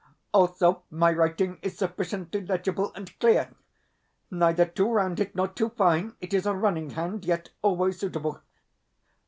Also, my writing is sufficiently legible and clear. Neither too rounded nor too fine, it is a running hand, yet always suitable.